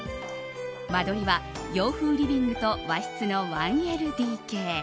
間取りは洋風リビングと和室の１ＬＤＫ。